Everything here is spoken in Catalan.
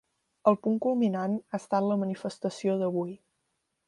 El punt culminant ha estat la manifestació d’avui.